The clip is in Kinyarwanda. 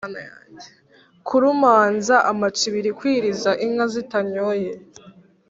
kurumanza amacibiri: kwiriza inka zitanyoye